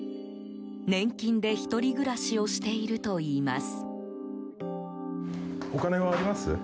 年金で、１人暮らしをしているといいます。